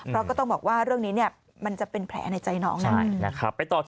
เราก็ต้องบอกว่าเรื่องนี้เนี่ยมันจะเป็นแผลในใจน้องใช่นะครับไปต่อที่